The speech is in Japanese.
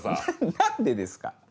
何でですか。